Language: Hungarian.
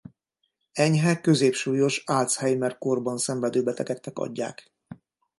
Enyhe–középsúlyos Alzheimer-kórban szenvedő betegeknek adják.